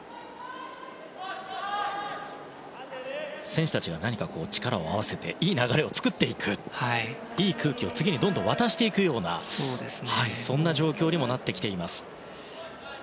選手たちが何か力を合わせていい流れを作っていくいい空気を、次にどんどん渡していくような状況にもなっています。